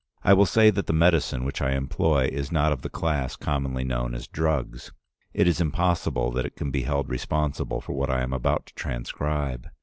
I will say that the medicine which I employ is not of the class commonly known as drugs. It is impossible that it can be held responsible for what I am about to transcribe.